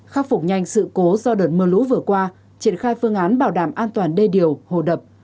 khắc phục nhanh sự cố do đợt mưa lũ vừa qua triển khai phương án bảo đảm an toàn đê điều hồ đập